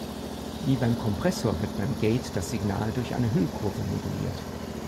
Wie beim Kompressor wird beim Gate das Signal durch eine Hüllkurve moduliert.